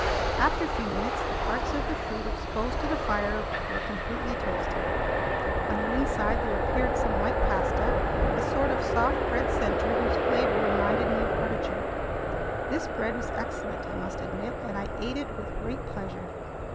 After a few minutes, the parts of the fruit exposed to the fire were completely toasted. On the inside there appeared some white pasta, a sort of soft bread center whose flavor reminded me of artichoke. This bread was excellent, I must admit, and I ate it with great pleasure.